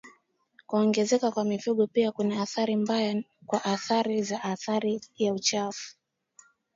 Kuongezeka kwa mifugo pia kuna athari mbaya kwa athari za athari ya chafu